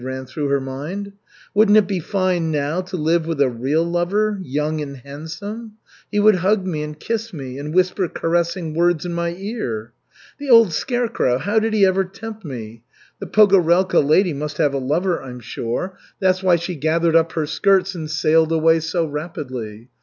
ran through her mind. "Wouldn't it be fine now to live with a real lover, young and handsome? He would hug me and kiss me and whisper caressing words in my ear. The old scarecrow, how did he ever tempt me? The Pogorelka lady must have a lover, I'm sure. That's why she gathered up her skirts and sailed away so rapidly.